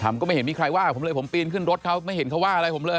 ก็ไม่เห็นมีใครว่าผมเลยผมปีนขึ้นรถเขาไม่เห็นเขาว่าอะไรผมเลย